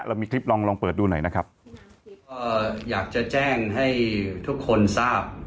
เรามีคลิปลองลองเปิดดูหน่อยนะครับเอ่ออยากจะแจ้งให้ทุกคนทราบ